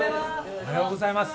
おはようございます。